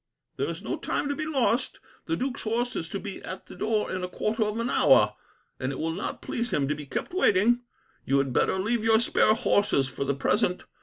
"There is no time to be lost. The duke's horse is to be at the door in a quarter of an hour, and it will not please him to be kept waiting. You had better leave your spare horses, for the present.